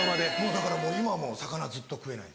だから今も魚ずっと食えないです。